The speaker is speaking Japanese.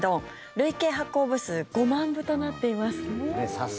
累計発行部数５万部となっています。